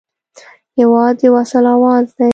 هېواد د وصل اواز دی.